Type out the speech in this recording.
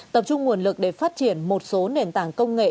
tập trung nguồn lực để phát triển một số nền tảng công nghệ